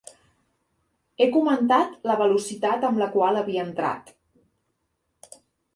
He comentat la velocitat amb la qual havia entrat.